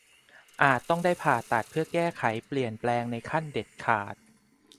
อาจต้องได้ผ่าตัดเพื่อแก้ไขเปลี่ยนแปลงในขั้นเด็ดขาด